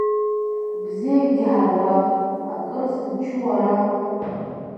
Бзиакгьы ҳарба, акыр зымчу уара.